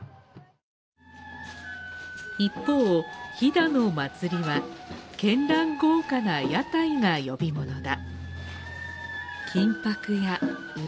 一方、飛騨の祭りは、絢爛豪華な屋台が呼び物だ。